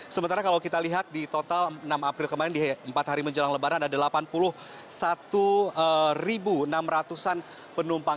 sementara kalau kita lihat di total enam april kemarin di empat hari menjelang lebaran ada delapan puluh satu enam ratus an penumpang